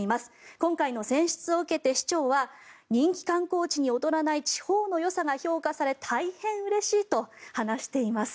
今回の選出を受けて、市長は人気観光地に劣らない地方のよさが評価され大変うれしいと話しています。